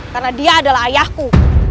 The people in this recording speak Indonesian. karena dia adalah ayahku